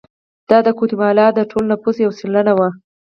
دا د ګواتیمالا د ټول نفوس یو سلنه وو.